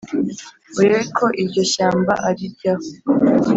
urebe ko iryo shyamba ariryaho